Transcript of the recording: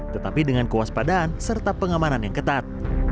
tetapi dengan kewaspadaan serta pengamanan yang ketat